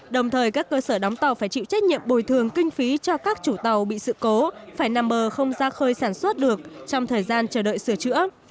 đồng thời các cơ sở đóng tàu phải chịu trách nhiệm bồi thường kinh phí cho các chủ tàu bị sự cố phải nằm bờ không ra khơi sản xuất được trong thời gian chờ đợi sửa chữa